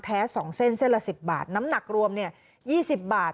แท้สองเส้นเช่นละสิบบาทน้ำหนักรวมเนี้ยยี่สิบบาท